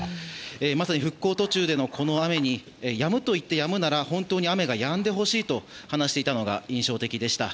まさに復興途中での、この雨にやむといってやむなら本当に雨がやんでほしいと話していたのが印象的でした。